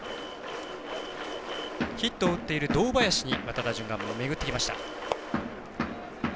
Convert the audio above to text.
ヒットを打っている堂林に打順が巡ってきました。